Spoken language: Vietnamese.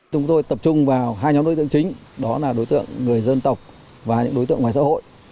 chúng tôi tập trung vào hai nhóm đối tượng chính đó là đối tượng người dân tộc và những đối tượng ngoài xã hội